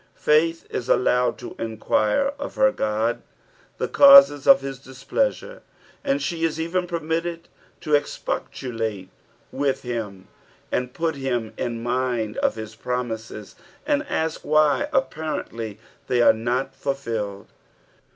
Fmth is al lowed to enquire of her Ood the causes of hts displeasure, and she is even permitted to expostulate with him and put him in mind of his promises, and ask why apparently they] are not fulfilled.